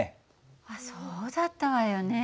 あっそうだったわよね。